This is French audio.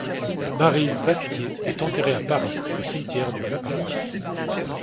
Maryse Bastié est enterrée à Paris, au cimetière du Montparnasse.